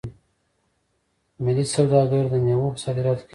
ملي سوداګر د میوو په صادراتو کې رول لري.